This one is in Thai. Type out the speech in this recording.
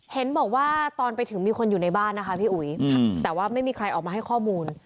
เห็นบอกว่าตอนไปถึงมีคนอยู่ในบ้านนะคะพี่อุ๋ยแต่ว่าไม่มีใครออกมาให้ข้อมูล